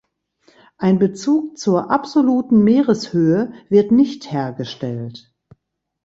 Ein Bezug zur absoluten Meereshöhe wird nicht hergestellt.